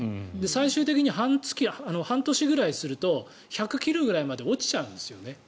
最終的に半年くらいすると１００切るくらいまで落ちちゃうんですね。